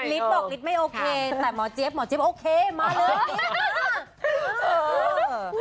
ริดบอกริดไม่โอเคแต่หมอเจ๊กเพราะโมเจ๊กโอเคมาเลย